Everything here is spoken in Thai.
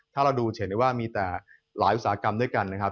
ถ้าเราดูจะเห็นได้ว่ามีแต่หลายอุตสาหกรรมด้วยกันนะครับ